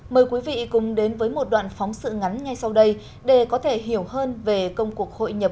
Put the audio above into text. mời quý vị cùng đến với một đoạn phóng sự ngắn ngay sau đây để có thể hiểu hơn về công cuộc hội nhập